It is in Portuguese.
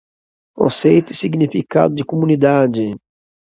Conceito e Significado de Comunidade.